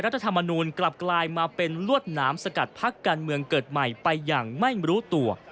ธรรมนูลกลับกลายมาเป็นลวดหนามสกัดพักการเมืองเกิดใหม่ไปอย่างไม่รู้ตัว